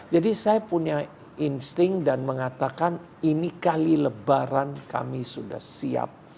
jadi saya punya insting dan mengatakan ini kali lebaran kami sudah siap fight